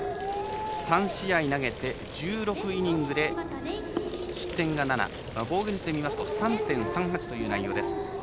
３試合投げて１６イニングで失点が７、防御率で見ますと３．３８という内容です。